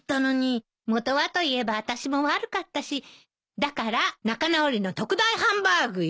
本はといえばあたしも悪かったしだから仲直りの特大ハンバーグよ。